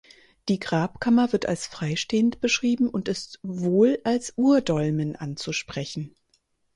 Die Grabkammer wird als freistehend beschrieben und ist wohl als Urdolmen anzusprechen.